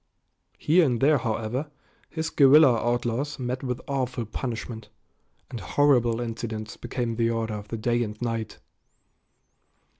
Here and there, however, his guerrilla outlaws met with awful punishment, and horrible incidents became the order of the day and night.